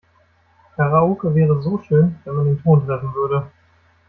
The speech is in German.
Karaoke wäre so schön, wenn man den Ton treffen würde.